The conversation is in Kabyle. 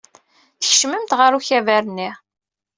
Tkecmemt ɣer ukabar-nni.